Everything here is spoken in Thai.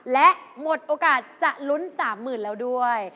และหมดโอกาสจะลุ้น๓๐๐๐แล้วด้วย